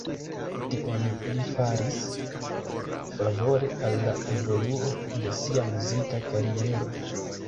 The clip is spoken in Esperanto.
Tion li faris favore al la evoluo de sia muzika kariero.